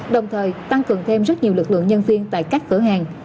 đồng thời tăng cường thêm rất nhiều lực lượng nhân viên tại các cửa hàng